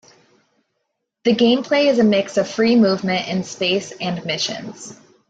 The gameplay is a mix of free movement in space and missions.